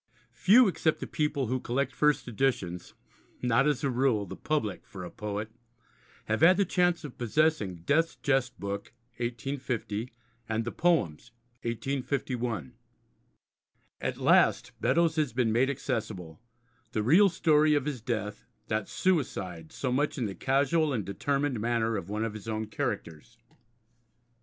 Few except the people who collect first editions not, as a rule, the public for a poet have had the chance of possessing Death's Jest Book (1850) and the Poems (1851). At last Beddoes has been made accessible, the real story of his death, that suicide so much in the casual and determined manner of one of his own characters.